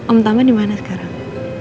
om tama dimana sekarang